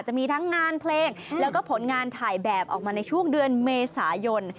จะมีทั้งงานเพลงแล้วก็ผลงานถ่ายแบบออกมาในช่วงเดือนเมษายน